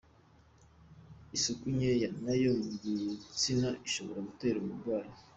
Isuku nkeya nayo mu gitsina ishobora gutera ubu burwayi.